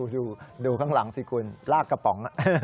ดูข้างหลังสิคุณลากกระป๋อง